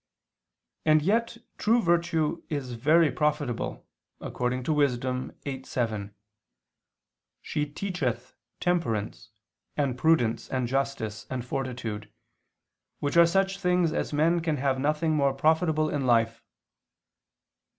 And yet true virtue is very profitable, according to Wis. 8:7: "She teacheth temperance, and prudence, and justice, and fortitude, which are such things as men can have nothing more profitable in life."